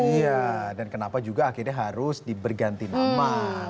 iya dan kenapa juga akhirnya harus diberganti nama